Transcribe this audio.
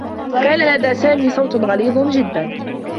كان لدى سامي صوت غليظ جدّا.